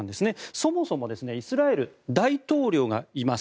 そもそもイスラエル大統領がいます。